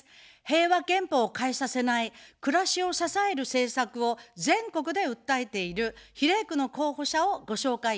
平和憲法を変えさせない、暮らしを支える政策を全国で訴えている比例区の候補者をご紹介いたします。